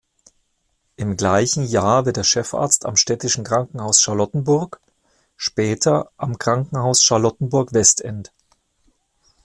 Im gleichen Jahr wird er Chefarzt am Städtischen Krankenhauses Charlottenburg, später am Krankenhaus Charlottenburg-Westend.